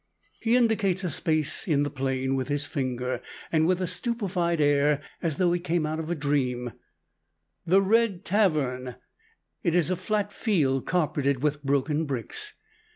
He indicates a space in the plain with his finger, and with a stupefied air, as though he came out of a dream "The Red Tavern!" It is a flat field, carpeted with broken bricks.